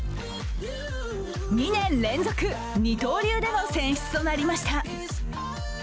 ２年連続、二刀流での選出となりました。